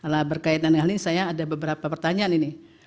nah berkaitan dengan hal ini saya ada beberapa pertanyaan ini